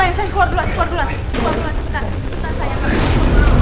aduh aduh aduh